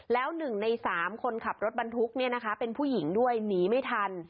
แล้ว๑ใน๓คนขับรถบรรทุกเป็นผู้หญิงด้วยหนีไม่ทัน